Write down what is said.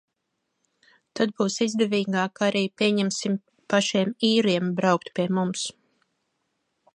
Tad būs izdevīgāk arī, pieņemsim, pašiem īriem braukt pie mums.